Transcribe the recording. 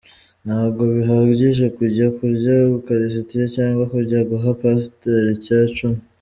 Ntabwo bihagije kujya kurya ukarisitiya cyangwa kujya guha pastor icyacumi.